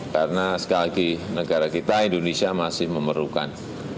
karena sekali lagi negara kita indonesia masih memerlukan